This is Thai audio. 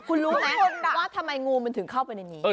คุณรู้ไหมว่าทำไมงูมันถึงเข้าไปในนี้